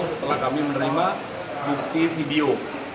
setelah kami menerima bukti video